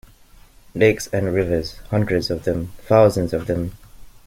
Lakes and rivers, hundreds of them, thousands of them.